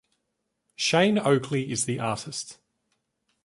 Shane Oakley is the artist.